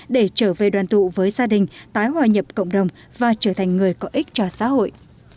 để trở về đoàn tụ với gia đình tái hòa nhập cộng đồng và trở thành người có ích cho xã hội